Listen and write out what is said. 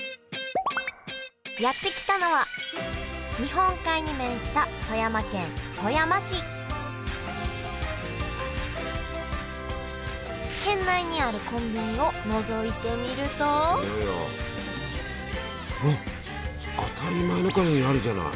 やって来たのは日本海に面した富山県富山市県内にあるコンビニをのぞいてみるとあっ当たり前みたいにあるじゃない。